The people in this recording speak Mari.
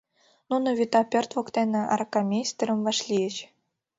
Нуно вӱта пӧрт воктене аракамейстерым вашлийыч.